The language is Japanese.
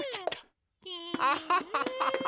アハハハハ！